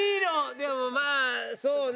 でもまあそうね。